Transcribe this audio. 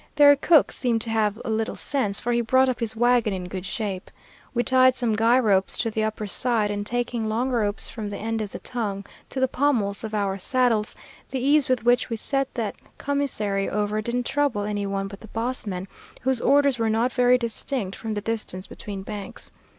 Their cook seemed to have a little sense, for he brought up his wagon in good shape. We tied some guy ropes to the upper side, and taking long ropes from the end of the tongue to the pommels of our saddles, the ease with which we set that commissary over didn't trouble any one but the boss man, whose orders were not very distinct from the distance between banks.